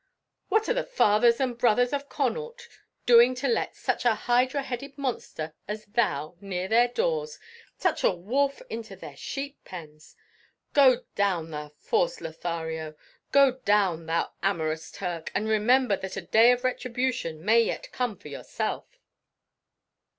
What are the fathers and brothers of Connaught doing to let such a hydra headed monster as thou near their doors such a wolf into their sheep pens? Go down, thou false Lothario. Go down, thou amorous Turk, and remember that a day of retribution may yet come for yourself."